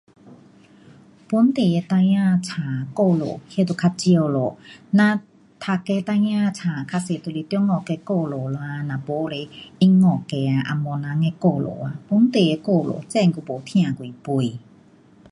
本地的孩儿书，故事，那就较少咯。咱读的孩儿书较多就是中国的故事啦，若没是英国的啊红毛人的故事啊，本地的故事真还没听几本。